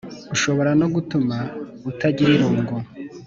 ushobora no gutuma utagira irungu